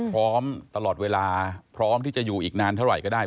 พร้อมตลอดเวลาพร้อมที่จะอยู่อีกนานเท่าไหร่ก็ได้